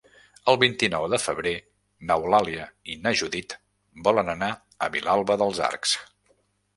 El vint-i-nou de febrer n'Eulàlia i na Judit volen anar a Vilalba dels Arcs.